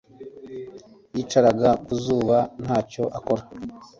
Yicaraga ku zuba ntacyo akora